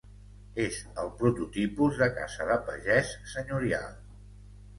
És el prototipus de casa de pagès senyorial.